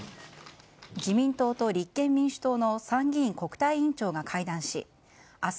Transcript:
自民党と立憲民主党の参議院国対委員長が会談し明日